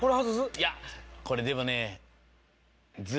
いやこれでもね。